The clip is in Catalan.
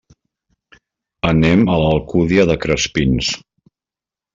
Anem a l'Alcúdia de Crespins.